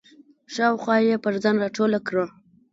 شاوخوا یې پر ځان راټوله کړه.